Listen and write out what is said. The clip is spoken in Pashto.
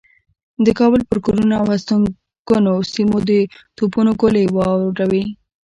د کابل پر کورونو او هستوګنو سیمو د توپونو ګولۍ و اوروي.